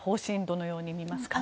どのように見ますか？